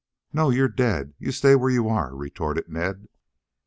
"No; you're dead. You stay where you are," retorted Ned.